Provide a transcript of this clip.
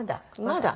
まだ。